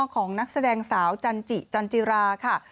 ของนักแสดงสาวจันจิจันจิราค่ะ